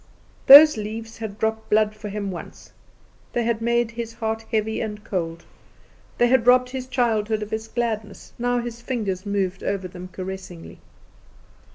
Those leaves had dropped blood for him once: they had made his heart heavy and cold; they had robbed his childhood of its gladness; now his fingers moved over them caressingly.